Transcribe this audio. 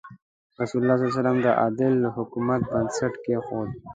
رسول الله د عادل حکومت بنسټ کېښود.